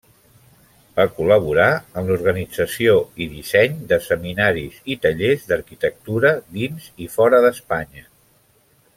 Va col·laborar en l'organització i disseny de seminaris i tallers d'arquitectura dins i fora d'Espanya.